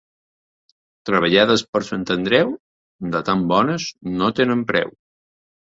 Treballades per Sant Andreu, de tan bones no tenen preu.